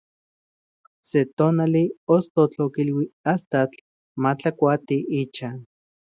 Se tonali, ostotl okilui astatl matlakuati ichan.